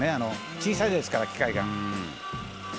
小さいですから機械が」